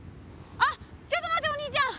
あっちょっと待ってお兄ちゃん！